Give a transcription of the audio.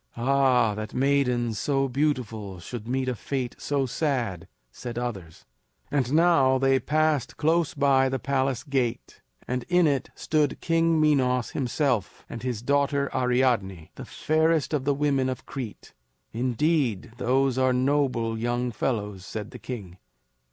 "Ah, that maidens so beautiful should meet a fate so sad!" said others. And now they passed close by the palace gate, and in it stood King Minos himself, and his daughter Ariadne, the fairest of the women of Crete. "Indeed, those are noble young fellows!" said the king.